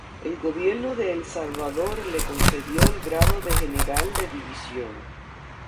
El Gobierno de El Salvador le concedió el grado de General de División.